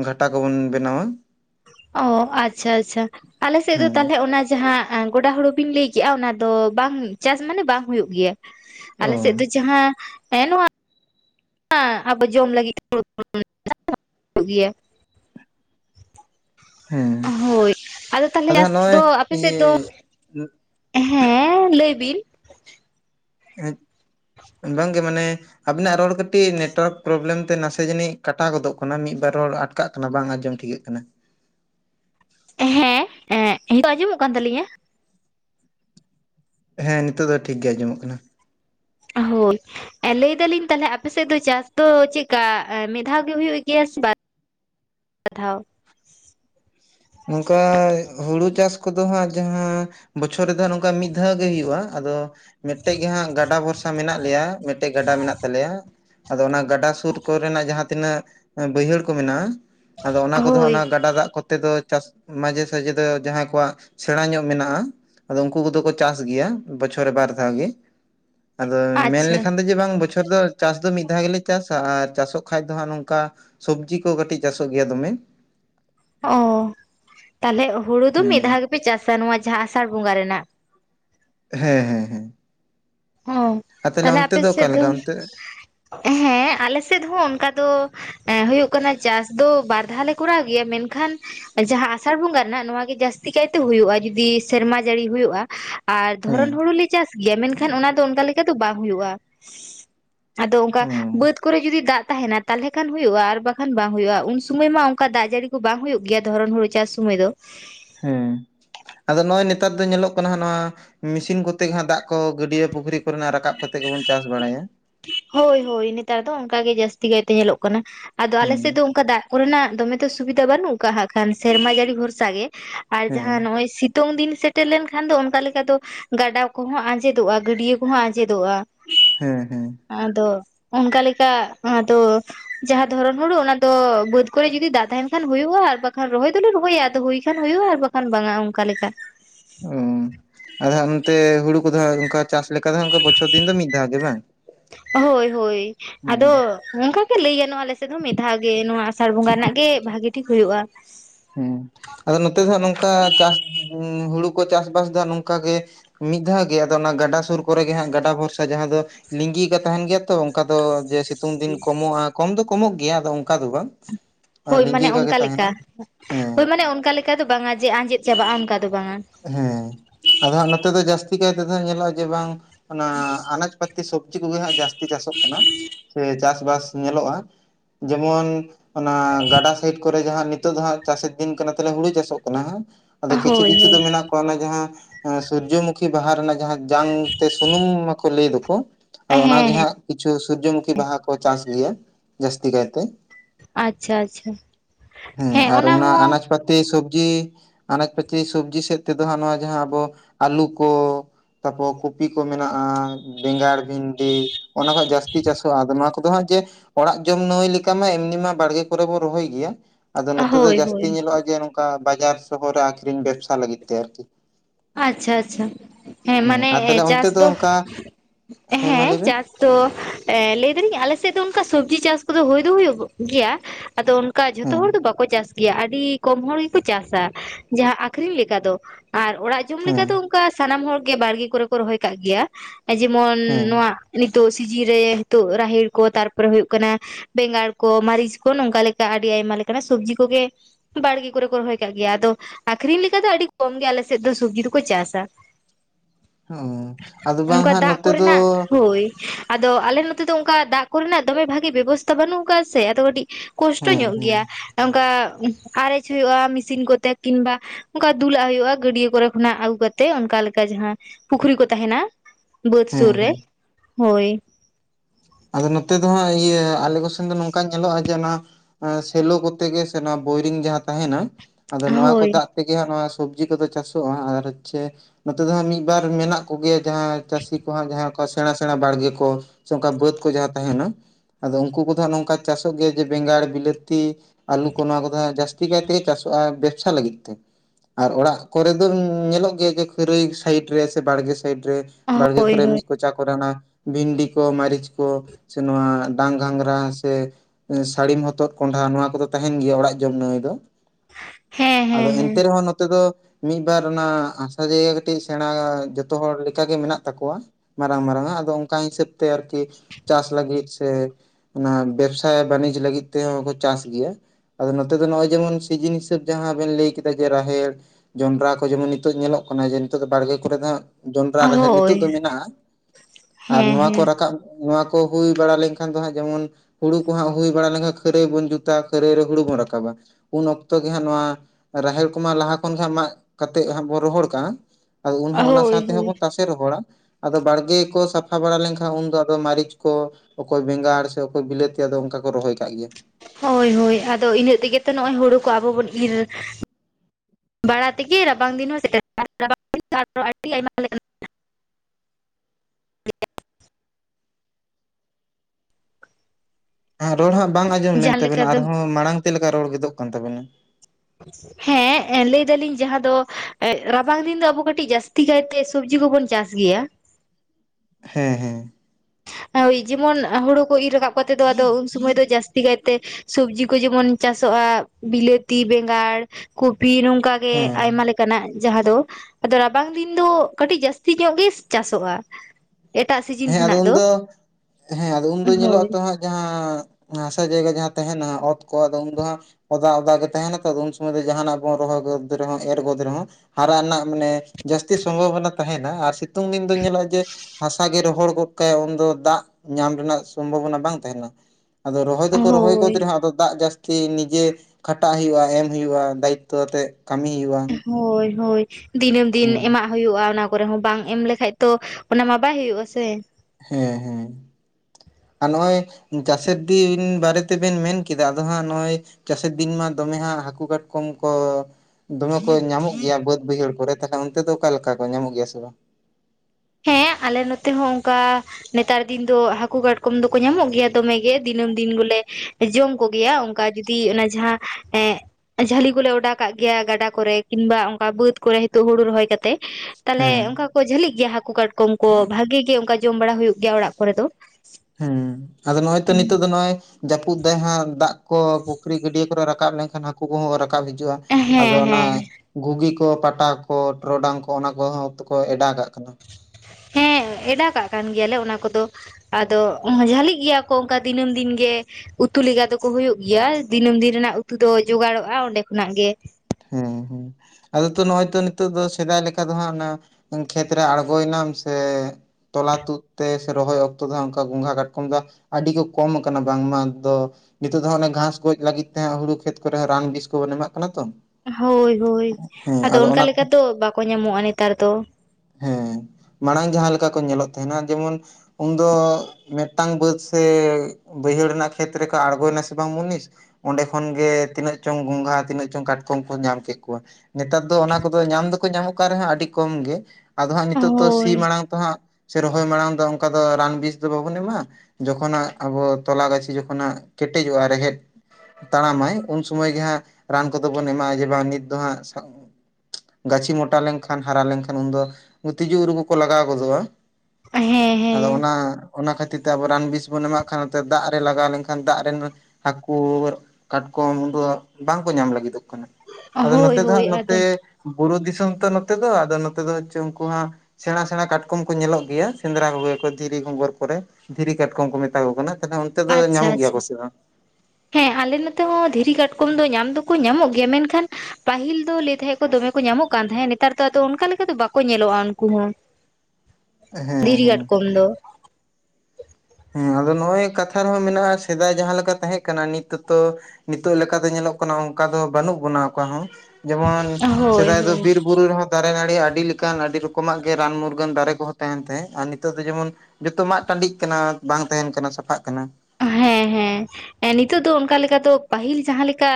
ᱜᱷᱟᱴᱟ ᱠᱚᱵᱚᱱ ᱵᱮᱱᱟᱣᱟ, ᱚ ᱟᱪᱪᱷᱟ ᱟᱪᱪᱷᱟ‌ ᱟᱞᱮᱥᱮᱫ ᱫᱚ ᱦᱮᱸ ᱛᱟᱦᱞᱮ ᱚᱱᱟ ᱡᱟᱦᱟ ᱜᱚᱰᱟ ᱦᱩᱲᱩ ᱵᱤᱱ ᱞᱟᱹᱭ ᱠᱮᱜᱼᱟ ᱚᱱᱟ ᱫᱚ ᱵᱟᱝ ᱪᱟᱥ ᱢᱟᱱᱮ ᱵᱟᱝ ᱦᱩᱭᱩᱜ ᱜᱮᱭᱟ᱾ ᱚ ᱟᱞᱮ ᱥᱮᱫ ᱫᱚ ᱡᱟᱦᱟᱸ ᱦᱮᱸ ᱱᱚᱣᱟ [unintelligible] ᱦᱮᱸ ᱦᱳᱭ ᱟᱫᱚ ᱛᱟᱦᱞᱮ ᱦᱟᱸᱜ ᱱᱚᱜᱼᱚᱭ [unintelligible] ᱟᱯᱮ ᱥᱮᱫ ᱫᱚ ᱤᱭᱟᱹ ᱦᱮᱸ ᱞᱟᱹᱭ ᱵᱤᱱ, ᱮᱸᱫ ᱵᱟᱝᱜᱮ ᱢᱟᱱᱮ ᱟᱵᱤᱱᱟᱜ ᱨᱚᱲ ᱠᱟᱹᱴᱤᱡ ᱱᱮᱴᱣᱟᱨᱠ ᱯᱨᱚᱵᱞᱮᱢ ᱛᱮ ᱱᱟᱥᱮ ᱡᱟᱹᱱᱤᱡ ᱠᱟᱴᱟᱣ ᱜᱚᱫᱚᱜ ᱠᱟᱱᱟ ᱢᱤᱫᱵᱟᱨ ᱨᱚᱲ ᱟᱴ ᱠᱟᱜ ᱠᱟᱱᱟ ᱵᱟᱝ ᱟᱸᱡᱚᱢ ᱴᱷᱤᱠᱟᱹᱜ ᱠᱟᱱᱟ᱾ ᱦᱮᱸ ᱮ ᱦᱤᱛᱚᱜ ᱟᱸᱡᱚᱢᱚᱜ ᱠᱟᱱ ᱛᱟᱹᱞᱤᱧᱟ? ᱦᱮᱸ ᱱᱤᱛᱚᱜ ᱫᱚ ᱴᱷᱤᱠ ᱜᱮ ᱟᱸᱡᱚᱢᱚᱜ ᱠᱟᱱᱟ᱾ ᱦᱳᱭ᱾ ᱞᱟᱹᱭ ᱫᱟᱹᱞᱤᱧ ᱛᱟᱞᱦᱮ ᱟᱯᱮ ᱥᱮᱫ ᱫᱚ ᱪᱟᱥ ᱫᱚ ᱪᱮᱫᱠᱟ ᱢᱤᱫ ᱫᱷᱟᱣ ᱜᱮ ᱦᱩᱭᱩᱜ ᱜᱮᱭᱟ ᱥᱮ ᱵᱟᱨ ᱫᱷᱟᱣ᱾ ᱱᱚᱝᱠᱟ ᱦᱩᱲᱩ ᱪᱟᱥ ᱠᱚᱫᱚ ᱦᱟᱸᱜ ᱡᱟᱦᱟ ᱵᱚᱪᱷᱚᱨ ᱨᱮᱫᱚ ᱱᱚᱝᱠᱟ ᱢᱤᱫ ᱫᱷᱟᱣ ᱜᱮ ᱦᱩᱭᱩᱜ-ᱟ ᱟᱫᱚ ᱢᱮᱫᱴᱮᱡ ᱜᱮ ᱦᱟᱸᱜ ᱜᱟᱰᱟ ᱵᱷᱚᱨᱥᱟ ᱢᱮᱱᱟᱜ ᱞᱮᱭᱟ ᱢᱮᱫᱴᱮᱡ ᱜᱟᱰᱟ ᱢᱮᱱᱟᱜ ᱛᱟᱞᱮᱭᱟ᱾ ᱟᱫᱚ ᱚᱱᱟ ᱜᱟᱰᱟ ᱥᱩᱨ ᱠᱚ ᱨᱮᱱᱟᱜ ᱡᱟᱦᱟ ᱛᱤᱱᱟᱹᱜ ᱵᱟᱹᱭᱦᱟᱹᱲ ᱠᱚ ᱢᱮᱱᱟᱜ-ᱟ᱾ ᱟᱫᱚ ᱚᱱᱟ ᱠᱚᱫᱚ ᱦᱟᱸᱜ ᱦᱳᱭ ᱚᱱᱟ ᱜᱟᱰᱟ ᱫᱟᱜ ᱠᱚᱛᱮᱫ ᱫᱚ ᱪᱟᱥ ᱢᱟᱡᱷᱮ ᱥᱟᱡᱷᱮ ᱫᱚ ᱡᱟᱦᱟᱭ ᱠᱚᱣᱟᱜ ᱥᱮᱲᱟ ᱧᱚᱜ ᱢᱮᱱᱟᱜ-ᱟ᱾ ᱟᱫᱚ ᱩᱱᱠᱩ ᱠᱚᱫᱚ ᱠᱚ ᱪᱟᱥ ᱜᱮᱭᱟ ᱵᱚᱪᱷᱚᱨ ᱨᱮ ᱵᱟᱨ ᱫᱷᱟᱣ ᱜᱮ᱾ ᱟᱫᱚ ᱢᱮᱱ ᱟᱪᱪᱷᱟ ᱞᱮᱠᱷᱟᱱ ᱫᱚ ᱡᱮ ᱵᱟᱝ ᱵᱚᱪᱷᱚᱨ ᱫᱚ ᱪᱟᱥ ᱫᱚ ᱢᱤᱫ ᱫᱷᱟᱣ ᱜᱮᱞᱮ ᱪᱟᱥᱼᱟ᱾ ᱟᱨ ᱪᱟᱥᱚᱜ ᱠᱷᱟᱡ ᱫᱚ ᱦᱟᱸᱜ ᱱᱚᱝᱠᱟ ᱥᱚᱵᱽᱡᱤ ᱠᱚ ᱠᱟᱹᱴᱤᱡ ᱪᱟᱥ ᱚᱜ ᱜᱮᱭᱟ ᱫᱚᱢᱮ᱾ ᱚ ᱛᱟᱞᱦᱮ ᱦᱳᱲᱳ ᱫᱚ ᱦᱮᱸ ᱢᱤᱫ ᱫᱷᱟᱣ ᱜᱮᱯᱮ ᱪᱟᱥ-ᱟ ᱱᱚᱣᱟ ᱡᱟᱦᱟ ᱟᱥᱟᱲ ᱵᱚᱸᱜᱟ ᱨᱮᱱᱟᱜ᱾ ᱦᱮᱸ, ᱦᱮᱸ, ᱦᱮᱸ᱾ ᱚ ᱟᱨ ᱛᱟᱦᱞᱮ ᱛᱟᱞᱦᱮ ᱚᱱᱛᱮ ᱟᱯᱮ ᱥᱮᱫ ᱫᱚ ᱚᱠᱟᱞᱮᱠᱟ ᱚᱱᱛᱮ ᱦᱮᱸ ᱟᱞᱮ ᱥᱮᱫ ᱦᱚᱸ ᱚᱱᱠᱟ ᱫᱚ ᱮᱸᱻ ᱦᱳᱭᱳᱜ ᱠᱟᱱᱟ ᱪᱟᱥ ᱫᱚ ᱵᱟᱨ ᱫᱷᱟᱣ ᱞᱮ ᱠᱚᱨᱟᱣ ᱜᱮᱭᱟ᱾ ᱢᱮᱱᱠᱷᱟᱱ ᱡᱟᱦᱟ ᱟᱥᱟᱲ ᱵᱚᱸᱜᱟ ᱨᱮᱱᱟᱜ ᱱᱚᱣᱟ ᱜᱮ ᱡᱟᱹᱥᱛᱤ ᱠᱟᱭᱛᱮ ᱦᱩᱭᱩᱜ-ᱟ ᱡᱩᱫᱤ ᱥᱮᱨᱢᱟ ᱡᱟᱹᱲᱤ ᱦᱩᱭᱩᱜ-ᱟ᱾ ᱟᱨ ᱦᱮᱸ ᱫᱷᱚᱨᱚᱱ ᱦᱩᱲᱩ ᱞᱮ ᱪᱟᱥ ᱜᱮᱭᱟ᱾ ᱢᱮᱱᱠᱷᱟᱱ ᱚᱱᱟ ᱫᱚ ᱚᱱᱠᱟ ᱞᱮᱠᱟ ᱫᱚ ᱵᱟᱝ ᱦᱩᱭᱩᱜ-ᱟ᱾ ᱟᱫᱚ ᱚᱱᱠᱟ ᱦᱩᱸ ᱵᱟᱹᱫᱽ ᱠᱚᱨᱮ ᱡᱩᱫᱤ ᱫᱟᱜ ᱛᱟᱦᱮᱱᱟ᱾ ᱛᱟᱞᱦᱮ ᱠᱷᱟᱱ ᱦᱳᱭᱳᱜ-ᱟ ᱟᱨ ᱵᱟᱠᱷᱟᱱ ᱵᱟᱝ ᱦᱳᱭᱳᱜ-ᱟ ᱩᱱ ᱥᱩᱢᱚᱭ ᱢᱟ ᱚᱱᱠᱟ ᱫᱟᱜ ᱡᱟᱹᱲᱤ ᱠᱚ ᱵᱟᱝ ᱦᱳᱭᱳᱜ ᱜᱮᱭᱟ ᱫᱷᱚᱨᱚᱱ ᱦᱳᱲᱳ ᱪᱟᱥ ᱥᱩᱢᱚᱭ ᱫᱚ᱾ ᱦᱩᱸ ᱟᱫᱚ ᱱᱚᱸᱜ-ᱚᱭ ᱱᱮᱛᱟᱨ ᱫᱚ ᱧᱮᱞᱚᱜ ᱠᱟᱱᱟ ᱦᱟᱸᱜ ᱱᱚᱣᱟ ᱢᱮᱥᱤᱱ ᱠᱚᱛᱮ ᱜᱮ ᱦᱟᱸᱜ ᱫᱟᱜ ᱠᱚ ᱜᱟᱹᱰᱭᱟᱹ, ᱯᱩᱠᱷᱤᱨᱤ ᱠᱚ ᱨᱮᱱᱟᱜ ᱨᱟᱠᱟᱵ ᱠᱟᱛᱮᱜ ᱜᱮᱵᱚᱱ ᱪᱟᱥ ᱵᱟᱲᱟᱭᱟ᱾ ᱦᱳᱭ, ᱦᱳᱭ ᱱᱮᱛᱟᱨ ᱫᱚ ᱚᱱᱠᱟ ᱜᱮ ᱡᱟᱹᱥᱛᱤ ᱠᱟᱭᱛᱮ ᱧᱮᱞᱚᱜ ᱠᱟᱱᱟ ᱟᱫᱚ ᱟᱞᱮ ᱦᱮᱸ ᱥᱮᱫ ᱫᱚ ᱚᱱᱠᱟ ᱫᱟᱜ ᱠᱚ ᱨᱮᱱᱟᱜ ᱫᱚᱢᱮ ᱛᱚ ᱥᱩᱵᱤᱫᱷᱟ ᱵᱟᱹᱱᱩᱜ ᱠᱟᱜ-ᱟ ᱦᱟᱸᱜ ᱠᱷᱟᱱ ᱥᱮᱨᱢᱟ ᱡᱟᱹᱲᱤ ᱵᱷᱚᱨᱥᱟ ᱜᱮ ᱟᱨ ᱦᱮᱸ ᱡᱟᱦᱟ ᱱᱚᱸᱜ-ᱚᱭ ᱥᱤ ᱛᱳᱝ ᱫᱤᱱ ᱥᱮᱴᱮᱨ ᱞᱮᱱ ᱠᱷᱟᱱ ᱫᱚ ᱚᱱᱠᱟ ᱞᱮᱠᱟ ᱫᱚ ᱜᱟᱰᱟ ᱠᱚᱦᱚᱸ ᱟᱸᱡᱮᱫᱚᱜ-ᱟ, ᱜᱟᱹᱰᱭᱟᱹ ᱠᱚᱦᱚᱸ ᱟᱸᱡᱮᱫᱚᱜ-ᱟ᱾ ᱦᱮᱸ, ᱦᱮᱸ ᱾ ᱟᱫᱚ ᱚᱱᱠᱟ ᱞᱮᱠᱟ ᱟᱫᱚ ᱡᱟᱦᱟ ᱫᱷᱚᱨᱚᱱ ᱦᱩᱲᱩ ᱚᱱᱟ ᱫᱚ ᱵᱟᱹᱫᱽ ᱠᱚᱨᱮ ᱡᱩᱫᱤ ᱫᱟᱜ ᱛᱟᱦᱮᱱ ᱠᱷᱟᱱ ᱦᱳᱭᱩᱜ-ᱟ᱾ᱟᱨ ᱵᱟᱠᱷᱟᱱ ᱨᱚᱦᱚᱭ ᱫᱚᱞᱮ ᱨᱚᱦᱚᱭᱟ ᱟᱫᱚ ᱦᱩᱭ ᱠᱷᱟᱱ ᱦᱩᱭᱩᱜ-ᱟ ᱟᱨ ᱵᱟᱠᱷᱟᱱ ᱵᱟᱝ-ᱟ ᱚᱱᱠᱟ ᱞᱮᱠᱟ᱾ ᱚᱸᱻ ᱟᱫᱚ ᱦᱟᱸᱜ ᱚᱱᱛᱮ ᱦᱩᱲᱩ ᱠᱚᱫᱚ ᱦᱟᱸᱜ ᱚᱱᱠᱟ ᱪᱟᱥ ᱞᱮᱠᱟ ᱫᱚ ᱦᱟᱸᱜ ᱚᱝᱠᱟ ᱵᱚᱪᱷᱚᱨ ᱫᱤᱱ ᱫᱚ ᱢᱤᱫ ᱫᱷᱟᱣ ᱜᱮ ᱵᱟᱝ? ᱦᱳᱭ, ᱦᱳᱭ ᱦᱩᱸ ᱟᱫᱚ ᱚᱱᱠᱟ ᱜᱮ ᱞᱟᱹᱭ ᱜᱟᱱᱚᱜ-ᱟ ᱟᱞᱮ ᱥᱮᱫ ᱦᱚᱸ ᱢᱤᱫ ᱫᱷᱟᱣ ᱜᱮ ᱱᱚᱣᱟ ᱟᱥᱟᱲ ᱵᱚᱸᱜᱟ ᱨᱮᱱᱟᱜ ᱜᱮ ᱵᱷᱟᱜᱤ ᱴᱷᱤᱠ ᱦᱩᱭᱩᱜ-ᱟ᱾ ᱦᱮᱸ ᱟᱫᱚ ᱱᱚᱛᱮ ᱫᱚ ᱦᱟᱸᱜ ᱱᱚᱝᱠᱟ ᱪᱟᱥ ᱦᱩᱲᱩ ᱠᱚ ᱪᱟᱥ ᱵᱟᱥ ᱫᱚ ᱦᱟᱸᱜ ᱱᱚᱝᱠᱟ ᱜᱮ ᱢᱤᱫ ᱫᱷᱟᱣ ᱜᱮ ᱟᱫᱚ ᱚᱱᱟ ᱜᱟᱰᱟ ᱥᱩᱨ ᱠᱚᱨᱮ ᱜᱮ ᱦᱟᱸᱜ ᱜᱟᱰᱟ ᱵᱷᱚᱨᱥᱟ ᱡᱟᱦᱟ ᱫᱚ ᱞᱤᱝᱜᱤ ᱟᱠᱟ ᱛᱟᱦᱮᱱ ᱜᱮᱭᱟ ᱛᱚ ᱚᱱᱠᱟ ᱫᱚ ᱡᱮ ᱥᱮ ᱥᱤᱛᱩᱝ ᱫᱤᱱ ᱠᱚᱢᱚᱜ-ᱟ ᱠᱚᱢ ᱫᱚ ᱠᱚᱢᱚᱜ ᱜᱮᱭᱟ ᱟᱫᱚ ᱚᱱᱠᱟ ᱫᱚ ᱵᱟᱝ᱾ ᱦᱳᱭ ᱞᱤᱸᱜᱤ ᱢᱟᱱᱮ ᱟᱠᱟ ᱜᱮ ᱚᱱᱠᱟ ᱞᱮᱠᱟ ᱛᱟᱦᱮᱱᱟ ᱦᱳᱭ ᱦᱮᱸ ᱢᱟᱱᱮ ᱚᱱᱠᱟ ᱞᱮᱠᱟ ᱫᱚ ᱵᱟᱝ-ᱟ ᱡᱮ ᱟᱸᱡᱮᱫ ᱪᱟᱵᱟᱜ-ᱟ ᱚᱱᱠᱟ ᱫᱚ ᱵᱟᱝ-ᱟ᱾ ᱦᱮᱸ ᱟᱫᱚ ᱦᱟᱸᱜ ᱱᱚᱛᱮ ᱫᱚ ᱡᱟᱹᱥᱛᱤ ᱠᱟᱭ ᱛᱮᱫᱚ ᱧᱮᱞᱚᱜ-ᱟ ᱡᱮ ᱵᱟᱝ ᱚᱱᱟ ᱟᱱᱟᱡᱽ ᱯᱟᱹᱛᱤ ᱥᱚᱵᱽᱡᱤ ᱠᱚ ᱜᱮ ᱦᱟᱸᱜ ᱡᱟᱹᱥᱛᱤ ᱪᱟᱥᱚᱜ ᱠᱟᱱᱟ ᱥᱮ ᱪᱟᱥ ᱵᱟᱥ ᱧᱮᱞᱚᱜ-ᱟ ᱡᱮᱢᱚᱱ ᱚᱱᱟ ᱜᱟᱰᱟ ᱥᱟᱭᱤᱰ ᱠᱚ᱾ ᱡᱟᱦᱟ ᱱᱤᱛᱳᱜ ᱫᱚ ᱦᱟᱸᱜ ᱪᱟᱥ ᱮᱨ ᱫᱤᱱ ᱠᱟᱱᱟ ᱛᱟᱞᱦᱮ ᱦᱩᱲᱩ ᱪᱟᱥ ᱚᱜ ᱠᱟᱱᱟ᱾ ᱦᱟᱸᱜ ᱟᱫᱚ ᱠᱤᱪᱷᱩ ᱦᱳᱭ ᱠᱤᱪᱷᱩ ᱦᱳᱭ ᱠᱚ ᱚᱱᱟ ᱡᱟᱦᱟ ᱥᱩᱨᱡᱚᱢᱩᱠᱷᱤ ᱵᱟᱦᱟ ᱨᱮᱱᱟᱜ ᱡᱟᱦᱟ ᱡᱟᱝ ᱛᱮ ᱥᱩᱱᱩᱢ ᱢᱟᱠᱚ ᱞᱟᱹᱭ ᱫᱟᱠᱚ ᱟᱫᱚ ᱦᱮᱸ ᱚᱱᱟ ᱜᱮ ᱦᱮᱸ ᱦᱟᱸᱜ ᱠᱤᱪᱷᱩ ᱥᱩᱨᱡᱚᱢᱩᱠᱷᱤ ᱵᱟᱦᱟ ᱠᱚ ᱪᱟᱥ ᱜᱮᱭᱟ ᱡᱟᱹᱥᱛᱤ ᱠᱟᱭ ᱛᱮ᱾ ᱟᱪᱪᱷᱟ, ᱟᱪᱪᱷᱟ ᱦᱮᱸ ᱚᱱᱟ ᱦᱚᱸ ᱛᱮ ᱥᱚᱵᱽᱡᱤ ᱟᱱᱟᱡᱽ ᱯᱟᱹᱛᱤ ᱥᱚᱵᱽᱡᱤ ᱥᱮᱫ ᱛᱮ ᱫᱚ ᱦᱟᱸᱜ ᱱᱚᱣᱟ ᱡᱟᱦᱟ ᱟᱵᱚ ᱟᱹᱞᱩ ᱠᱚ᱾ ᱛᱟᱯᱚ ᱠᱚᱯᱤ ᱠᱚ ᱢᱮᱱᱟᱜᱼᱟ, ᱵᱮᱸᱜᱟᱲ, ᱵᱷᱤᱱᱰᱤ ᱚᱱᱟ ᱠᱷᱚᱡ ᱡᱟᱹᱥᱛᱤ ᱪᱟᱥᱚᱜᱼᱟ, ᱟᱫᱚ ᱱᱚᱣᱟ ᱠᱚᱫᱚ ᱦᱟᱸᱜ ᱡᱮ ᱚᱲᱟᱜ ᱡᱚᱢ ᱱᱟᱹᱢᱟᱭ ᱞᱮᱠᱟ ᱢᱟ ᱮᱢᱱᱤ ᱢᱟ ᱵᱟᱲᱜᱮ ᱠᱚᱨᱮ ᱵᱚ ᱨᱚᱦᱚᱭ ᱜᱮᱭᱟ᱾ ᱟᱫᱚ ᱱᱚᱛᱮ ᱫᱚ ᱦᱳᱭ ᱡᱟᱹᱥᱛᱤ ᱦᱳᱭ ᱧᱮᱞᱚᱜᱼᱟ ᱡᱮ ᱱᱚᱝᱠᱟ ᱵᱟᱡᱟᱨ ᱥᱚᱦᱚᱨ ᱨᱮ ᱟᱠᱷᱨᱤᱧ ᱵᱮᱵᱥᱟ ᱞᱟᱹᱜᱤᱫ ᱛᱮ ᱟᱨᱠᱤ᱾ ᱟᱪᱪᱷᱟ ᱟᱪᱪᱷᱟ, ᱦᱮᱸ ᱢᱟᱱᱮ ᱟᱨ ᱛᱟᱦᱞᱮ ᱚᱱᱛᱮ ᱪᱟᱥ ᱫᱚ, ᱚᱱᱠᱟ ᱢᱟ ᱦᱮᱸ ᱞᱟᱹᱭ ᱵᱮᱱ ᱪᱟᱥ ᱛᱚ ᱮᱸ ᱞᱟᱹᱭ ᱫᱟᱞᱤᱧ ᱟᱞᱮ ᱥᱮᱫ ᱫᱚ ᱚᱝᱠᱟ ᱥᱚᱵᱽᱡᱤ ᱪᱟᱥ ᱠᱚᱫᱚ ᱦᱩᱭ ᱫᱚ ᱦᱩᱭᱩᱜᱚᱜ ᱜᱮᱭᱟ, ᱟᱫᱚ ᱚᱱᱠᱟ ᱡᱷᱚᱛᱚ ᱦᱮᱸ ᱦᱚᱲ ᱫᱚ ᱵᱟᱠᱚ ᱪᱟᱥ ᱜᱮᱭᱟ, ᱟᱹᱰᱤ ᱠᱚᱢ ᱦᱚᱲ ᱜᱮᱠᱚ ᱪᱟᱥᱫᱟ᱾ ᱡᱟᱦᱟᱸ ᱟᱠᱷᱨᱤᱧ ᱞᱮᱠᱟ ᱫᱚ, ᱟᱨ ᱚᱲᱟᱜ ᱡᱚᱢ ᱞᱮᱠᱟ ᱦᱮᱸ ᱫᱚ ᱚᱝᱠᱟ ᱥᱟᱱᱟᱢ ᱦᱚᱲᱜᱮ ᱵᱟᱲᱜᱮ ᱠᱚᱨᱮ ᱠᱚ ᱨᱚᱦᱚᱭ ᱟᱠᱟᱜ ᱜᱮᱭᱟ, ᱡᱮᱢᱚᱱ ᱦᱮᱸ ᱱᱚᱣᱟ ᱱᱤᱛᱚᱜ ᱥᱤᱡᱤᱱ ᱨᱮ ᱦᱤᱛᱚᱜ ᱨᱟᱦᱮᱲ ᱠᱚ ᱛᱟᱨᱯᱚᱨᱮ ᱦᱩᱭᱩᱜ ᱠᱟᱱᱟ ᱵᱮᱸᱜᱟᱲ ᱠᱚ ᱢᱟᱨᱤᱪ ᱠᱚ ᱱᱚᱝᱠᱟ ᱞᱮᱠᱟ ᱟᱹᱰᱤ ᱟᱭᱢᱟ ᱞᱮᱠᱟᱱᱟᱜ ᱥᱚᱵᱽᱡᱤ ᱠᱚᱜᱮ ᱵᱟᱲᱜᱮ ᱠᱚᱨᱮ ᱠᱚ ᱨᱚᱦᱚᱭ ᱠᱟᱜ ᱜᱮᱭᱟ, ᱟᱫᱚ ᱟᱠᱷᱨᱤᱧ ᱞᱮᱠᱟ ᱫᱚ ᱟᱹᱰᱤ ᱠᱚᱢ ᱜᱮᱭᱟ ᱟᱞᱮ ᱥᱮᱫ ᱫᱚ ᱥᱚᱵᱽᱡᱤ ᱫᱚ ᱠᱚ ᱪᱟᱥᱟ᱾ ᱦᱮᱸ ᱟᱫᱚ ᱵᱟᱝ ᱚᱝᱠᱟ ᱦᱟᱸᱜ ᱫᱟᱜ ᱠᱚ ᱱᱚᱛᱮ ᱫᱚ ᱨᱮᱱᱟᱜ, ᱦᱳᱭ᱾ ᱟᱫᱚ ᱟᱞᱮ ᱱᱚᱛᱮ ᱫᱚ ᱚᱝᱠᱟ ᱫᱟᱜ ᱠᱚ ᱨᱮᱱᱟᱜ ᱫᱚᱢᱮ ᱵᱷᱟᱜᱤ ᱵᱮᱵᱚᱥᱛᱟ ᱵᱟᱹᱱᱩᱜ ᱟᱠᱟᱜ ᱥᱮ ᱟᱫᱚ ᱠᱟᱹᱴᱤᱡ ᱠᱚᱥᱴᱚ ᱦᱮᱸ ᱧᱚᱜ ᱦᱮᱸ ᱜᱮᱭᱟ, ᱚᱱᱠᱟᱻ ᱟᱨᱮᱡ ᱦᱩᱭᱩᱜᱼᱟ ᱢᱮᱥᱤᱱ ᱠᱚᱛᱮ ᱠᱤᱱᱵᱟ ᱚᱝᱠᱟ ᱫᱩᱞᱟᱜ ᱦᱩᱭᱩᱜᱼᱟ ᱜᱟᱹᱰᱤᱭᱟᱹ ᱠᱚᱨᱮ ᱠᱷᱚᱱᱟᱜ ᱟᱹᱜᱩ ᱠᱟᱛᱮᱜ ᱚᱱᱠᱟ ᱞᱮᱠᱟ ᱡᱟᱦᱟᱸ, ᱯᱩᱠᱷᱨᱤ ᱠᱚ ᱛᱟᱦᱮᱸᱱᱟ ᱵᱟᱹᱫ ᱦᱮᱸ ᱥᱩᱨ ᱨᱮ᱾ ᱦᱮᱸ ᱦᱳᱭ ᱾ ᱟᱫᱚ ᱱᱚᱛᱮ ᱫᱚ ᱦᱟᱸᱜ ᱤᱭᱟᱹ ᱟᱞᱮ ᱠᱚᱥᱮᱱ ᱫᱚ ᱱᱚᱝᱠᱟ ᱧᱮᱞᱚᱜᱼᱟ ᱡᱮ ᱚᱱᱟ ᱮᱸ ᱥᱮᱞᱚ ᱠᱚᱛᱮ ᱜᱮ ᱥᱮ ᱱᱚᱣᱟ ᱵᱳᱭᱨᱤᱝ ᱡᱟᱦᱟᱸ ᱛᱟᱦᱮᱸᱱᱟ᱾ ᱟᱫᱚ ᱱᱚᱣᱟ ᱠᱚ ᱦᱳᱭ ᱫᱟᱜ ᱛᱮᱜᱮ ᱦᱟᱸᱜ ᱱᱚᱣᱟ ᱥᱚᱵᱽᱡᱤ ᱠᱚᱫᱚ ᱪᱟᱥᱚᱜᱼᱟ ᱦᱟᱸᱜ ᱟᱨ [unintelligible] ᱱᱚᱛᱮ ᱫᱚ ᱦᱟᱸᱜ ᱢᱤᱫ ᱵᱟᱨ ᱢᱮᱱᱟᱜ ᱠᱚᱜᱮᱭᱟ ᱡᱟᱦᱟᱸᱭ ᱪᱟᱹᱥᱤ ᱠᱚ ᱦᱟᱸᱜ ᱡᱟᱦᱟᱸᱭᱟᱜ ᱠᱚ ᱥᱮᱬᱟ ᱥᱮᱬᱟ ᱵᱟᱲᱜᱮ ᱠᱚ ᱥᱮ ᱚᱝᱠᱟ ᱵᱟᱹᱫᱽ ᱠᱚ ᱡᱟᱦᱟᱸ ᱛᱟᱦᱮᱸᱱᱟ᱾ ᱟᱫᱚ ᱩᱝᱠᱩ ᱠᱚᱫᱚ ᱦᱟᱸᱜ ᱱᱚᱝᱠᱟ ᱪᱟᱥᱚᱜ ᱜᱮᱭᱟ ᱡᱮ ᱵᱮᱸᱜᱟᱲ, ᱵᱤᱞᱟᱹᱛᱤ, ᱟᱹᱞᱩ ᱠᱚ ᱱᱚᱣᱟ ᱠᱚᱫᱚ ᱦᱟᱸᱜ ᱡᱟᱹᱥᱛᱤ ᱠᱟᱭ ᱛᱮᱜᱮ ᱪᱟᱥᱚᱜᱼᱟ ᱵᱮᱵᱽᱥᱟ ᱞᱟᱹᱜᱤᱫ ᱛᱮ᱾ ᱟᱨ ᱚᱲᱟᱜ ᱠᱚᱨᱮ ᱫᱚ ᱧᱮᱞᱚᱜ ᱜᱮᱭᱟ ᱡᱮ ᱠᱷᱟᱹᱨᱟᱹᱭ ᱥᱟᱭᱤᱰ ᱨᱮ ᱥᱮ ᱵᱟᱲᱜᱮ ᱥᱟᱭᱤᱰ ᱨᱮ, ᱵᱟᱲᱜᱮ ᱦᱳᱭ ᱠᱚᱨᱮ ᱦᱳᱭ ᱢᱤᱫ ᱠᱚᱪᱟ ᱠᱚᱨᱮ ᱚᱱᱟ ᱵᱷᱤᱱᱰᱤ ᱠᱚ, ᱢᱟᱹᱨᱤᱪ ᱠᱚ, ᱥᱮ ᱱᱚᱣᱟ ᱰᱟᱝ ᱜᱷᱟᱝᱨᱟ ᱥᱮ ᱥᱟᱹᱲᱤᱢ ᱦᱚᱛᱚᱫ, ᱠᱚᱸᱰᱷᱟ ᱱᱚᱣᱟ ᱠᱚᱫᱚ ᱛᱟᱦᱮᱸᱱ ᱜᱮᱭᱟ ᱚᱲᱟᱜ ᱡᱚᱢ ᱱᱟᱹᱢᱟᱹᱭ ᱫᱚ᱾ ᱦᱮᱸ ᱟᱫᱚ ᱦᱮᱸ ᱦᱮᱸ ᱮᱱᱛᱮ ᱨᱮᱦᱚᱸ ᱱᱚᱛᱮ ᱫᱚ ᱢᱤᱫ ᱵᱟᱨ ᱚᱱᱟ ᱦᱟᱥᱟ ᱡᱟᱭᱜᱟ ᱠᱟᱹᱴᱤᱡ ᱥᱮᱬᱟ ᱡᱚᱛᱚ ᱦᱚᱲ ᱞᱮᱠᱟ ᱜᱮ ᱢᱮᱱᱟᱜ ᱛᱟᱠᱚᱣᱟ, ᱢᱟᱨᱟᱝ ᱢᱟᱨᱟᱝᱟᱜ ᱟᱫᱚ ᱚᱝᱠᱟ ᱦᱤᱥᱟᱹᱵ ᱛᱮ ᱟᱨᱠᱤ ᱪᱟᱥ ᱞᱟᱹᱜᱤᱫ ᱜᱤᱫ ᱥᱮ, ᱚᱱᱟ ᱵᱮᱵᱽᱥᱟ ᱵᱟᱹᱱᱤᱡᱽ ᱞᱟᱹᱜᱤᱫ ᱛᱮᱦᱚᱸ ᱠᱚ ᱪᱟᱥ ᱜᱮᱭᱟ᱾ ᱟᱫᱚ ᱱᱚᱛᱮ ᱫᱚ ᱱᱚᱜᱼᱚᱭ ᱡᱮᱢᱚᱱ ᱥᱤᱡᱤᱱ ᱦᱤᱥᱟᱹᱵ, ᱡᱟᱦᱟᱸ ᱵᱮᱱ ᱞᱟᱹᱭ ᱠᱮᱫᱟ ᱡᱮ ᱨᱟᱦᱮᱲ, ᱡᱚᱱᱰᱨᱟ ᱠᱚ ᱡᱮᱢᱚᱱ ᱱᱤᱛᱚᱜ ᱧᱮᱞᱚᱜ ᱠᱟᱱᱟ ᱡᱮ ᱱᱤᱛᱚᱜ ᱫᱚ ᱵᱟᱲᱜᱮ ᱠᱚᱨᱮ ᱫᱚ ᱦᱟᱸᱜ ᱡᱚᱱᱰᱨᱟ, ᱨᱟᱦᱮᱲ ᱦᱳᱭ ᱱᱤᱛᱚᱜ ᱫᱚ ᱢᱮᱱᱟᱜᱼᱟ, ᱟᱨ ᱦᱮᱸ ᱱᱚᱣᱟ ᱠᱚ ᱦᱮᱸ ᱨᱟᱠᱟᱵ ᱱᱚᱣᱟ ᱠᱚ ᱦᱩᱭ ᱵᱟᱲᱟ ᱞᱮᱝᱠᱷᱟᱱ ᱫᱚ ᱦᱟᱸᱜ ᱡᱮᱢᱚᱱ ᱦᱩᱲᱩ ᱠᱚ ᱦᱟᱸᱜ ᱦᱩᱭ ᱵᱟᱲᱟ ᱞᱮᱝᱠᱷᱟᱱ ᱠᱷᱟᱹᱨᱟᱹᱭ ᱵᱚᱱ ᱡᱩᱛᱟ, ᱠᱷᱟᱹᱨᱟᱹᱭ ᱨᱮ ᱦᱩᱲᱩ ᱵᱚᱱ ᱨᱟᱠᱟᱵᱟ᱾ ᱩᱱ ᱚᱠᱛᱚ ᱜᱮ ᱦᱟᱸᱜ ᱱᱚᱣᱟ, ᱨᱟᱦᱮᱲ ᱠᱚᱢᱟ ᱞᱟᱦᱟ ᱠᱷᱚᱱ ᱜᱮ ᱦᱟᱸᱜ ᱢᱟᱜ ᱠᱟᱛᱮᱫ ᱦᱟᱸᱜ ᱵᱚᱱ ᱨᱚᱦᱚᱲ ᱠᱟᱜᱼᱟ᱾ ᱟᱫᱚ ᱩᱱᱦᱚᱸ ᱚᱱᱟ ᱦᱳᱭ ᱥᱟᱶᱛᱮ ᱦᱳᱭ ᱦᱚᱸᱵᱚ ᱛᱟᱥᱮ ᱨᱚᱦᱚᱲᱟ, ᱟᱫᱚ ᱵᱟᱲᱜᱮ ᱠᱚ ᱥᱟᱯᱷᱟ ᱵᱟᱲᱟ ᱞᱮᱝᱠᱷᱟᱱ ᱩᱱ ᱫᱚ ᱠᱚᱭ ᱢᱟᱹᱨᱤᱪ ᱠᱚ, ᱚᱠᱚᱭ ᱵᱮᱸᱜᱟᱲ ᱥᱮ ᱚᱠᱚᱭ ᱵᱤᱞᱟᱹᱛᱤ ᱟᱫᱚ ᱚᱝᱠᱟ ᱠᱚ ᱨᱚᱦᱚᱭ ᱠᱟᱜ ᱜᱮᱭᱟ᱾ ᱦᱳᱭ ᱦᱳᱭ ᱟᱫᱚ ᱤᱱᱟᱹᱜ ᱛᱮᱜᱮ ᱛᱚ ᱱᱚᱜ-ᱚᱭ ᱦᱳᱲᱳ ᱠᱚ ᱟᱵᱚ ᱵᱚᱱ ᱤᱨ ᱵᱟᱲᱟ ᱛᱮᱜᱮ ᱨᱟᱵᱟᱝ ᱫᱤᱱ ᱦᱚᱸ ᱥᱮᱴᱮᱨᱚᱜᱼᱟ, ᱨᱟᱵᱟᱝ ᱫᱤᱱ ᱛᱚᱨᱯᱚᱨ ᱟᱹᱰᱤ ᱟᱭᱢᱟ [inaudible] ᱨᱚᱲ ᱦᱟᱸᱜ ᱵᱟᱝ ᱟᱸᱡᱚᱢ ᱞᱮᱱ ᱡᱟᱦᱟᱸ ᱞᱮᱠᱟ ᱛᱟᱵᱮᱱᱟ, ᱫᱚ ᱟᱨᱦᱚᱸ ᱢᱟᱲᱟᱝ ᱛᱮᱫ ᱞᱮᱠᱟ ᱨᱚᱲ ᱜᱮᱫᱚᱜ ᱠᱟᱱ ᱛᱟᱵᱮᱱᱟ᱾ [inaudible] ᱦᱮᱸ ᱞᱟᱹᱭ ᱫᱟᱞᱤᱧ ᱡᱟᱦᱟᱸ ᱫᱚ ᱮ ᱨᱟᱵᱟᱝ ᱫᱤᱱ ᱫᱚ ᱟᱵᱚ ᱠᱟᱹᱴᱤᱡ ᱡᱟᱹᱥᱛᱤ ᱠᱟᱭᱛᱮ ᱥᱚᱵᱽᱡᱤ ᱠᱚᱵᱚᱱ ᱪᱟᱥ ᱜᱮᱭᱟ᱾ ᱦᱮᱸ ᱦᱮᱸ᱾ ᱳᱭ ᱡᱮᱢᱚᱱ ᱦᱩᱲᱩ ᱠᱚ ᱤᱨ ᱨᱟᱠᱟᱵ ᱠᱟᱛᱮᱜ ᱫᱚ ᱟᱫᱚ ᱩᱱ ᱥᱩᱚᱢᱚᱭ ᱫᱚ ᱡᱟᱹᱥᱛᱤ ᱠᱟᱭᱛᱮ ᱥᱚᱵᱽᱡᱤ ᱠᱚ ᱡᱮᱢᱚᱱ ᱪᱟᱥᱚᱜᱼᱟ᱾ ᱵᱤᱞᱟᱹᱛᱤ, ᱵᱮᱸᱜᱟᱲ, ᱠᱚᱯᱤ ᱱᱚᱝᱠᱟ ᱜᱮ ᱦᱮᱸ ᱟᱭᱢᱟ ᱞᱮᱠᱟᱱᱟᱜ ᱡᱟᱦᱟᱸ ᱫᱚ ᱟᱫᱚ ᱨᱟᱵᱟᱝ ᱫᱤᱱ ᱫᱚ ᱠᱟᱹᱴᱤᱡ ᱡᱟᱹᱥᱛᱤ ᱧᱚᱜ ᱜᱮ ᱪᱟᱥᱚᱜᱼᱟ᱾ ᱮᱴᱟᱜ ᱥᱤᱡᱤᱱ ᱦᱮᱸ ᱠᱷᱚᱱᱟᱜ ᱟᱫᱚ ᱫᱚ᱾ ᱩᱱᱫᱚ ᱦᱮᱸ ᱟᱫᱚ ᱩᱱᱫᱚ ᱦᱳᱭ ᱦᱟᱜ ᱡᱟᱦᱟᱸ ᱦᱟᱥᱟ ᱡᱟᱭᱜᱟ ᱡᱟᱦᱟᱸ ᱛᱟᱦᱮᱱᱟ, ᱚᱛ ᱟᱫᱚ ᱩᱱ ᱫᱚ ᱦᱟᱸᱜ ᱚᱫᱟ ᱚᱫᱟᱜ ᱜᱮ ᱛᱟᱦᱮᱱᱟ ᱛᱚ᱾ ᱩᱱ ᱥᱚᱢᱚᱭ ᱫᱚ ᱡᱟᱦᱟᱱᱟᱜ ᱵᱚᱱ ᱨᱚᱦᱚᱭ ᱜᱚᱫ ᱨᱮᱦᱚᱸ ᱮᱨ ᱜᱚᱫ ᱨᱮᱦᱚᱸ ᱦᱟᱨᱟᱜ ᱨᱮᱱᱟᱜ ᱢᱟᱱᱮ ᱡᱟᱹᱥᱛᱤ ᱥᱚᱢᱵᱷᱚᱵᱚᱱᱟ ᱛᱟᱦᱮᱱᱟ ᱟᱨ ᱥᱤᱛᱩᱝ ᱫᱤᱱ ᱫᱚ ᱧᱮᱞᱚᱜᱼᱟ ᱡᱮ ᱠᱟᱥᱟ ᱜᱮ ᱨᱚᱦᱚᱲ ᱜᱚᱫ ᱠᱟᱭᱟ᱾ ᱩᱱᱫᱚ ᱫᱟᱜ ᱧᱟᱢ ᱨᱮᱱᱟᱜ ᱥᱚᱢᱵᱷᱚᱵᱚᱱᱟ ᱵᱟᱝ ᱛᱟᱦᱮᱱᱟ᱾ ᱟᱫᱚ ᱨᱚᱦᱚᱭ ᱫᱚᱠᱚ ᱨᱚᱦᱚᱭ ᱦᱳᱭ ᱜᱚᱫ ᱨᱮᱦᱚᱸ ᱟᱫᱚ ᱫᱟᱜ ᱡᱟᱹᱥᱛᱤ ᱠᱤ ᱱᱤᱡᱮ ᱠᱷᱟᱴᱟᱜ ᱦᱩᱭᱩᱜᱼᱟ, ᱮᱢ ᱦᱩᱭᱩᱜᱼᱟ, ᱫᱟᱭᱤᱛᱚ ᱟᱛᱮᱜ ᱠᱟᱹᱢᱤ ᱦᱩᱭᱩᱜᱼᱟ᱾ ᱦᱳᱭ ᱦᱳᱭ ᱫᱤᱱᱟᱹᱢ ᱫᱤᱱ ᱦᱮᱸ ᱮᱢᱟᱜ ᱦᱩᱭᱩᱜᱼᱟ, ᱚᱱᱟ ᱠᱚᱨᱮ ᱦᱚᱸ ᱵᱟᱝ ᱮᱢ ᱞᱮᱠᱷᱟᱡ ᱛᱚ ᱚᱱᱟᱢᱟ ᱵᱟᱭ ᱦᱩᱭᱩᱜᱼᱟ ᱥᱮ᱾ ᱦᱮᱸ ᱦᱮᱸ᱾ ᱟᱨ ᱱᱚᱜ ᱪᱟᱥᱮᱨ ᱫᱤᱱ ᱵᱟᱨᱮ ᱛᱮᱵᱮᱱ ᱢᱮᱱ ᱠᱮᱫᱟ᱾ ᱟᱫᱚ ᱦᱟᱸᱜ ᱱᱚᱜᱚᱭ ᱪᱟᱹᱥᱮᱫ ᱫᱤᱱ ᱢᱟ ᱫᱚᱢᱮ ᱦᱟᱸᱜ ᱦᱟᱹᱠᱩ ᱠᱟᱴᱠᱚᱢ ᱠᱚ ᱫᱚᱢᱮ ᱠᱚ ᱧᱟᱢᱚᱜ ᱜᱮᱭᱟ᱾ ᱵᱟᱹᱫᱽ -ᱵᱟᱹᱭᱦᱟᱹᱲ ᱠᱚᱨᱮ, ᱛᱟᱦᱚᱞᱮ ᱚᱱᱛᱮ ᱫᱚ ᱚᱠᱟ ᱞᱮᱠᱟ ᱠᱚ ᱧᱟᱢᱚᱜ ᱜᱮᱭᱟ ᱥᱮ ᱵᱟᱝ? ᱦᱮᱸ ᱟᱞᱮ ᱱᱚᱛᱮ ᱚᱱᱠᱟ ᱱᱮᱛᱟᱨ ᱫᱤᱱ ᱫᱚ ᱦᱟᱹᱠᱩ ᱠᱟᱴᱠᱚᱢ ᱫᱚᱠᱚ ᱧᱟᱢᱚᱜ ᱜᱮᱭᱟ᱾ ᱫᱚᱢᱮᱜ ᱜᱮ ᱫᱤᱱᱟᱹᱢ ᱫᱤᱱ ᱵᱚᱞᱮ ᱡᱚᱢ ᱠᱚ ᱜᱮᱭᱟ᱾ ᱚᱱᱠᱟ ᱡᱩᱫᱤ ᱚᱱᱟ ᱡᱟᱦᱟᱸ ᱡᱷᱟᱹᱞᱤ ᱠᱚᱞᱮ ᱚᱰᱟᱣ ᱠᱟᱜ ᱜᱮᱭᱟ᱾ ᱜᱟᱰᱟ ᱠᱚᱨᱮ ᱠᱤᱵᱟ ᱚᱱᱠᱟ ᱵᱟᱹᱫ ᱠᱚᱨᱮ ᱱᱤᱛᱚᱜ ᱦᱩᱲᱩ ᱨᱚᱦᱚᱭ ᱠᱟᱛᱮ᱾ ᱛᱟᱞᱦᱮ ᱦᱮᱸ ᱚᱱᱠᱟ ᱠᱚ ᱡᱷᱟᱹᱞᱤᱜ ᱜᱮᱭᱟ ᱦᱟᱹᱠᱩ ᱠᱟᱴᱠᱚᱢ ᱠᱚ ᱵᱷᱟᱜᱮ ᱜᱮ ᱚᱱᱠᱟ ᱡᱚᱢ ᱵᱟᱲᱟ ᱦᱩᱭᱩᱜ ᱜᱮᱭᱟ, ᱚᱲᱟᱜ ᱠᱚᱨᱮ ᱫᱚ᱾ ᱦᱩᱸ ᱟᱫᱚ ᱱᱚᱜᱼᱚᱭ ᱛᱚ ᱱᱤᱛᱚᱜ ᱫᱚ ᱱᱚᱜᱼᱚᱭ ᱡᱟᱹᱯᱩᱫ ᱫᱟᱭ ᱦᱟᱸᱜ ᱫᱟᱜ ᱠᱚ ᱯᱩᱠᱷᱨᱤ ᱜᱟᱹᱰᱭᱟᱹ ᱠᱚᱨᱮ ᱨᱟᱠᱟᱵ ᱞᱮᱱᱠᱷᱟᱱ ᱦᱟᱹᱠᱩ ᱠᱚᱦᱚᱸ ᱨᱟᱠᱟᱵ ᱦᱤᱡᱩᱜᱼᱟ ᱾ ᱟᱫᱚ ᱦᱮᱸ ᱚᱱᱟ ᱦᱮᱸ ᱜᱩᱜᱤ ᱠᱚ ᱯᱟᱴᱟ ᱠᱚ ᱴᱚᱨᱚᱰᱟᱝ ᱠᱚ ᱚᱱᱟ ᱠᱚᱦᱚ ᱠᱚ ᱮᱰᱟᱜ ᱠᱟᱜ ᱠᱟᱱᱟ ᱾ ᱦᱮᱸ ᱮᱰᱟᱠᱟᱜ ᱠᱟᱱ ᱜᱮᱭᱟᱞᱮ ᱚᱱᱟ ᱠᱚᱫᱚ ᱾ ᱟᱫᱚ ᱡᱷᱟᱹᱞᱤᱜ ᱜᱮᱭᱟ ᱠᱚ ᱚᱱᱠᱟ ᱫᱤᱱᱟᱹᱢ ᱫᱤᱱ ᱜᱮ ᱾ ᱩᱛᱩ ᱞᱮᱠᱟ ᱫᱚᱠᱚ ᱦᱩᱭᱩᱜ ᱜᱮᱭᱟ ᱫᱤᱱᱟᱹᱢ ᱫᱤᱱ ᱨᱮᱱᱟᱜ ᱩᱛᱩ ᱫᱚ ᱡᱚᱜᱟᱲᱚᱜᱼᱟ ᱚᱸᱰᱮ ᱠᱷᱚᱱᱟᱜ ᱜᱮ ᱾ ᱦᱮᱸ ᱦᱮᱸ ᱟᱫᱚ ᱛᱚ ᱱᱚᱜᱼᱚᱭ ᱛᱚ ᱱᱤᱛᱚᱜ ᱫᱚ ᱥᱮᱫᱟᱭ ᱞᱮᱠᱟ ᱫᱚ ᱦᱟᱸᱜ ᱚᱱᱟ ᱠᱷᱮᱛᱨᱮ ᱟᱬᱜᱚᱭᱮᱱᱟᱢ ᱥᱮ, ᱛᱚᱞᱟ ᱛᱩᱫ ᱛᱮ ᱥᱮ ᱨᱚᱦᱚᱭ ᱚᱠᱛᱚ ᱫᱚ ᱚᱱᱠᱟ ᱜᱚᱝᱜᱷᱟ ᱠᱟᱴᱠᱚᱢ ᱫᱚ ᱟᱹᱰᱤ ᱠᱚ ᱠᱚᱢ ᱠᱟᱱᱟ ᱵᱟᱝᱢᱟ ᱫᱚ, ᱱᱤᱛᱚᱜ ᱫᱚ ᱚᱱᱮ ᱜᱷᱟᱥ ᱜᱚᱡ ᱞᱟᱹᱜᱤᱫ ᱛᱮ ᱦᱩᱲᱩ ᱠᱷᱮᱛ ᱠᱚᱨᱮ ᱨᱟᱱ ᱵᱤᱥ ᱠᱚᱵᱚᱱ ᱮᱢᱟᱜ ᱠᱟᱱᱟ ᱛᱚ ᱾ ᱦᱳᱭ ᱦᱳᱭ ᱟᱫᱚ ᱚᱱᱠᱟ ᱞᱮᱠᱟ ᱫᱚ ᱵᱟᱠᱚ ᱧᱟᱢᱚᱜᱼᱟ ᱱᱮᱛᱟᱨ ᱫᱚ ᱾ ᱦᱮᱸ ᱢᱟᱲᱟᱝ ᱡᱟᱦᱟᱸ ᱞᱮᱠᱟ ᱠᱚ ᱧᱮᱞᱚᱜ ᱛᱟᱦᱮᱱᱟ ᱡᱮᱢᱚᱱ ᱩᱱᱫᱚ ᱢᱤᱫᱴᱟᱝ ᱵᱟᱹᱫᱽ ᱥᱮ ᱵᱟᱹᱭᱦᱟᱹᱲ ᱨᱮᱱᱟᱜ ᱠᱷᱮᱛ ᱨᱮᱠᱚ ᱟᱬᱜᱚᱭᱱᱟ ᱥᱮ ᱵᱟᱝ ᱢᱩᱱᱤᱥ ᱚᱸᱰᱮ ᱠᱷᱚᱱᱜ ᱛᱤᱱᱟᱹᱜ ᱪᱚᱝ ᱜᱚᱝᱜᱷᱟ ᱛᱤᱱᱟᱹᱜ ᱪᱚᱝ ᱠᱟᱴᱠᱚᱢ ᱠᱚ ᱧᱟᱢ ᱠᱮᱠᱚᱣᱟ ᱾ ᱱᱮᱛᱟᱨ ᱫᱚ ᱚᱱᱟ ᱠᱚᱫᱚ ᱧᱟᱢ ᱫᱚᱠᱚ ᱧᱟᱢᱚᱜ ᱠᱟᱱ ᱨᱮᱦᱚᱸ ᱟᱹᱰᱤ ᱠᱚᱢ ᱜᱮ, ᱟᱫᱚ ᱦᱟᱸᱜ ᱱᱤᱛᱚᱜ ᱫᱚ ᱥᱤ ᱦᱳᱭ ᱢᱟᱲᱟᱝ ᱛᱚ ᱦᱟᱸᱜ ᱥᱮ ᱨᱚᱦᱚᱭ ᱢᱟᱲᱟᱝ ᱫᱚ ᱚᱱᱠᱟ ᱫᱚ ᱨᱟᱱ ᱵᱤᱥ ᱫᱚ ᱵᱟᱵᱚᱱ ᱮᱢᱟ ᱡᱚᱠᱷᱚᱱᱟᱜ ᱟᱵᱚ ᱛᱚᱞᱟ ᱜᱟᱹᱪᱷᱤ ᱡᱚᱠᱷᱚᱱᱟᱜ ᱠᱮᱴᱮᱡᱚᱜᱼᱟ ᱨᱮᱦᱮᱫ ᱛᱟᱲᱟᱢᱟᱭ ᱩᱱ ᱥᱚᱢᱚᱭ ᱜᱮ ᱦᱟᱸᱜ ᱨᱟᱱ ᱠᱚᱫᱚ ᱵᱚᱱ ᱮᱢᱟᱜᱼᱟ ᱡᱮ ᱵᱟᱝ ᱱᱤᱛ ᱫᱚ ᱦᱟᱸᱜ, ᱜᱟᱹᱪᱷᱤ ᱢᱚᱴᱟ ᱞᱮᱱᱠᱷᱟᱱ ᱦᱟᱨᱟ ᱞᱮᱱᱠᱷᱟᱱ ᱩᱱᱫᱚ ᱛᱤᱡᱩ ᱩᱨᱩ ᱠᱚ ᱠᱚ ᱞᱟᱜᱟᱣ ᱜᱚᱫᱚᱜ-ᱟ ᱾ ᱦᱮᱸ [inaudible] ᱟᱫᱚ ᱦᱮᱸ ᱚᱱᱟ ᱚᱱᱟ ᱠᱷᱟᱹᱛᱤᱨ ᱛᱮ ᱟᱵᱚ ᱨᱟᱱ ᱵᱤᱥ ᱵᱚᱱ ᱮᱢᱟᱜ ᱠᱷᱟᱱ ᱱᱟᱛᱮ ᱫᱟᱜ ᱨᱮ ᱞᱟᱜᱟᱣ ᱞᱮᱱᱠᱷᱟᱱ ᱫᱟᱜ ᱨᱮᱱ ᱦᱟᱹᱠᱩ ᱠᱟᱴᱠᱚᱢ ᱩᱱ ᱫᱚ ᱵᱟᱝᱠᱚ ᱧᱟᱢ ᱞᱟᱹᱜᱤᱫᱚᱜ ᱠᱟᱱᱟ ᱾ [inaudible] ᱟᱫᱚ ᱦᱳᱭ ᱱᱚᱛᱮ ᱫᱚ ᱦᱳᱭ ᱦᱟᱸᱜ ᱟᱫᱚ ᱱᱚᱛᱮ ᱵᱩᱨᱩ ᱫᱤᱥᱚᱢ ᱛᱚ ᱱᱚᱛᱮ ᱫᱚ ᱟᱫᱚ ᱱᱚᱛᱮ ᱫᱚ ᱦᱮᱸᱪᱚᱝ ᱾ ᱩᱱᱠᱩ ᱦᱟᱜ ᱥᱮᱬᱟ ᱥᱮᱬᱟ ᱠᱟᱴᱠᱚᱢ ᱠᱚ ᱧᱮᱞᱚᱜ ᱜᱮᱭᱟ ᱥᱮᱸᱫᱽᱨᱟ ᱠᱚᱜᱮᱭᱟ ᱠᱚ ᱫᱷᱤᱨᱤ ᱜᱚᱸᱜᱷᱚᱨ ᱠᱚᱨᱮ ᱾ ᱫᱷᱤᱨᱤ ᱠᱟᱴᱠᱚᱢ ᱠᱚ ᱢᱮᱛᱟ ᱠᱚ ᱠᱟᱱᱟ ᱾ ᱟᱪᱪᱷᱟ ᱟᱪᱪᱷᱟ᱾ ᱦᱮᱸ ᱟᱞᱮ ᱱᱚᱛᱮ ᱦᱚᱸ ᱫᱷᱤᱨᱤ ᱠᱟᱴᱠᱚᱢ ᱫᱚ ᱧᱟᱢ ᱫᱚᱠᱚ ᱧᱟᱢᱚᱜ ᱜᱮᱭᱟ ᱢᱮᱱᱠᱷᱟᱱ ᱯᱟᱹᱦᱤᱞ ᱫᱚ ᱞᱟᱹᱭ ᱛᱟᱦᱮᱸᱫ ᱠᱚ ᱫᱚᱢᱮ ᱠᱚ ᱧᱟᱢᱚᱜ ᱠᱟᱱ ᱛᱟᱦᱮᱸᱫ, ᱱᱮᱛᱟᱨ ᱫᱚ ᱟᱫᱚ ᱚᱱᱠᱟ ᱞᱮᱠᱟ ᱫᱚ ᱵᱟᱠᱚ ᱧᱮᱞᱚᱜ-ᱟ ᱩᱱᱠᱩ ᱦᱚᱸ ᱾ [inaudible] ᱦᱮᱸ ᱫᱷᱤᱨᱤ ᱦᱮᱸ ᱠᱟᱴᱠᱚᱢ ᱫᱚ ᱾ ᱦᱮᱸ ᱟᱫᱚ ᱱᱚᱜᱚᱭ ᱠᱟᱛᱷᱟ ᱨᱮᱦᱚᱸ ᱢᱮᱱᱟᱜ-ᱟ ᱥᱮᱫᱟᱭ ᱡᱟᱦᱟᱸ ᱞᱮᱠᱟ ᱛᱟᱦᱮᱸ ᱠᱟᱱᱟ ᱱᱤᱛ ᱛᱚ ᱱᱤᱛᱚᱜ ᱞᱮᱠᱟᱛᱮ ᱧᱮᱞᱚᱜ ᱠᱟᱱᱟ ᱚᱱᱠᱟ ᱫᱚ ᱵᱟᱹᱱᱩᱜ ᱵᱚᱱᱟ ᱚᱠᱟ ᱦᱚᱸ ᱾ ᱡᱮᱢᱚᱱ ᱦᱳᱭ ᱥᱮᱫᱟᱭ ᱫᱚ ᱦᱳᱭ ᱵᱤᱨ ᱵᱩᱨᱩ ᱨᱮᱦᱚᱸ ᱫᱟᱨᱮ ᱱᱟᱹᱲᱤ ᱟᱹᱰᱤ ᱞᱮᱠᱟᱱ ᱟᱹᱰᱤ ᱨᱚᱠᱚᱢᱟᱜ ᱜᱮ ᱨᱟᱱ ᱢᱩᱨᱜᱟᱹᱱ ᱫᱟᱨᱮ ᱠᱚᱦᱚᱸ ᱛᱟᱦᱮᱱ ᱛᱟᱦᱮᱸᱫ ᱟᱨ ᱱᱤᱛᱚᱜ ᱫᱚ ᱡᱮᱢᱚᱱ ᱡᱚᱛᱚ ᱢᱟᱜ ᱴᱟᱺᱰᱤᱜ ᱠᱟᱱᱟ ᱵᱟᱝ ᱛᱟᱦᱮᱱ ᱠᱟᱱᱟ ᱥᱟᱯᱷᱟᱜ ᱠᱟᱱᱟ ᱾ ᱦᱮᱸ ᱦᱮᱸ ᱾ ᱮ ᱱᱤᱛᱚᱜ ᱫᱚ ᱚᱱᱠᱟ ᱞᱮᱠᱟ ᱫᱚ ᱯᱟᱹᱦᱤᱞ ᱡᱟᱦᱟᱸ ᱞᱮᱠᱟ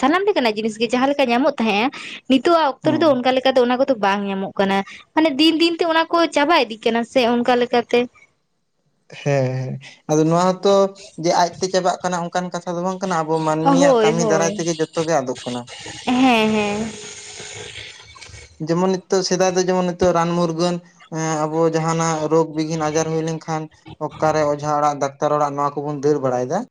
ᱥᱟᱱᱟᱢ ᱞᱮᱠᱟᱱᱟᱜ ᱡᱤᱱᱤᱥ ᱜᱮ ᱡᱟᱦᱟᱸ ᱞᱮᱠᱟ ᱧᱟᱢᱚᱜ ᱛᱟᱦᱮᱸᱜ-ᱟ ᱱᱤᱛᱚᱜ ᱟᱜ ᱚᱠᱛᱚ ᱨᱮᱫᱚ ᱦᱮᱸ ᱚᱱᱠᱟ ᱞᱮ ᱠᱟ ᱫᱚ ᱚᱱᱟ ᱠᱚᱫᱚ ᱵᱟᱝ ᱧᱟᱢᱚᱜ ᱠᱟᱱᱟ ᱾ ᱢᱟᱱᱮ ᱫᱤᱱ ᱫᱤᱱ ᱛᱮ ᱚᱱᱟ ᱠᱚ ᱪᱟᱵᱟ ᱤᱫᱤᱜ ᱠᱟᱱᱟ ᱥᱮ ᱚᱱᱠᱟ ᱞᱮᱠᱟᱛᱮ ᱾ ᱦᱮᱸ ᱦᱮᱸ ᱟᱫᱚ ᱱᱚᱣᱟ ᱦᱚᱛᱚ ᱡᱮ ᱟᱡᱛᱮ ᱪᱟᱵᱟᱜ ᱠᱟᱱᱟ ᱚᱱᱚᱱᱠᱟᱱ ᱠᱟᱛᱷᱟ ᱫᱚ ᱵᱟᱝ ᱠᱟᱱᱟ ᱟᱵᱚ ᱢᱟᱹᱱᱢᱤᱭᱟᱜ ᱦᱳᱭ ᱠᱟᱹᱢᱤ ᱫᱟᱨᱟᱭ ᱦᱳᱭ ᱛᱮᱜᱮ ᱡᱚᱛᱚ ᱜᱮ ᱟᱫᱚᱜ ᱠᱟᱱᱟ ᱾ ᱦᱮᱸ ᱦᱮᱸ ᱾ [inaudible] ᱡᱮᱢᱚᱱ ᱱᱤᱛᱚᱜ ᱥᱮᱫᱟᱭ ᱫᱚ ᱡᱮᱢᱚᱱ ᱱᱤᱛᱚᱜ ᱨᱟᱱ ᱢᱩᱨᱜᱟᱹᱱ ᱦᱮᱸ ᱟᱵᱚ ᱡᱟᱦᱱᱟᱜ ᱨᱳᱜᱽ ᱵᱤᱜᱷᱤᱱ ᱟᱡᱟᱨ ᱦᱩᱭ ᱞᱮᱱᱠᱷᱟᱱ ᱚᱠᱟᱨᱮ ᱚᱡᱷᱟ ᱚᱲᱟᱜ ᱰᱟᱠᱛᱟᱨ ᱚᱲᱟᱜ ᱱᱚᱣᱟ ᱠᱚᱵᱩᱱ ᱫᱟᱹᱲ ᱵᱟᱲᱟᱭᱮᱫᱟ ᱾